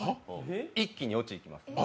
一気にオチ行きます